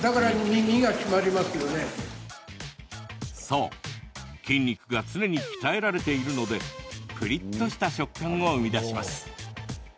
そう、筋肉が常に鍛えられているのでプリっとした食感を生み出します。